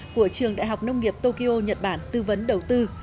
của trường đại học nông nghiệp tokyo nhật bản tư vấn đầu tư